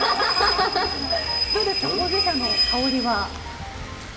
どうですか、ほうじ茶の香りは。